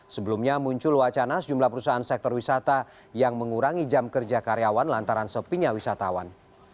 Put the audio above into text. sebelumnya muncul wacana sejumlah perusahaan sektor wisata yang mengurangi jam kerja karyawan lantaran sepinya wisatawan